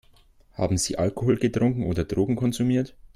Haben Sie Alkohol getrunken oder Drogen konsumiert?